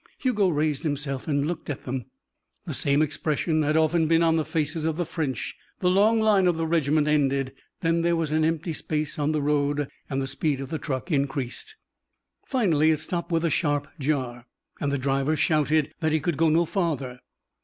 Hugo raised himself and looked at them. The same expression had often been on the faces of the French. The long line of the regiment ended. Then there was an empty place on the road, and the speed of the truck increased. Finally it stopped with a sharp jar, and the driver shouted that he could go no farther.